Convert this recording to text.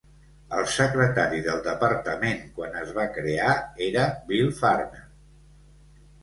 El secretari del Departament quan es va crear era Bill Farmer.